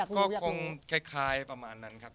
ก็คงคล้ายประมาณนั้นครับ